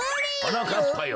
はなかっぱよ